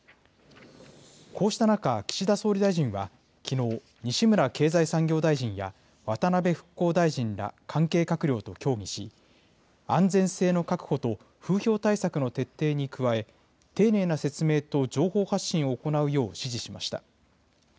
こうした中、岸田総理大臣はきのう、西村経済産業大臣や渡辺復興大臣ら関係閣僚と協議し、安全性の確保と風評対策の徹底に加え、丁寧な説明と情報発信を行うよう指示しました。